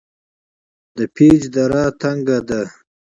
د پیج دره تنګه ده